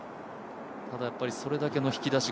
それだけの引き出し。